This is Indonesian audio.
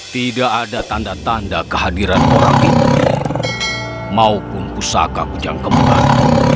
tidak ada tanda tanda kehadiran orang itu maupun pusaka hujan kembali